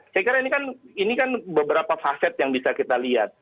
saya kira ini kan beberapa faset yang bisa kita lihat